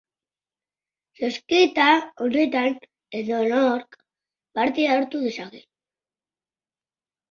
Zozketa honetan edonork parte hartu dezake.